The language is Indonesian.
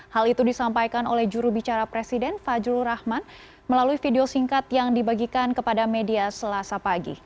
hal itu disampaikan oleh jurubicara presiden fajrul rahman melalui video singkat yang dibagikan kepada media selasa pagi